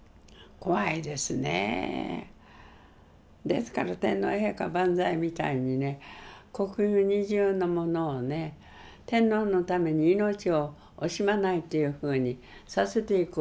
ですから「天皇陛下万歳」みたいに国じゅうのものをね天皇のために命を惜しまないというふうにさせていくわけ。